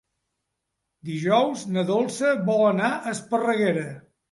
Dijous na Dolça vol anar a Esparreguera.